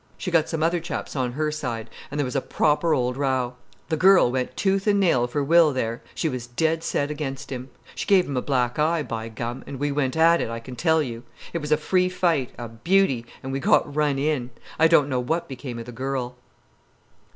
She got some other chaps on her side, and there was a proper old row. The girl went tooth and nail for Will there—she was dead set against him. She gave him a black eye, by gum, and we went at it, I can tell you. It was a free fight, a beauty, an' we got run in. I don't know what became of the girl."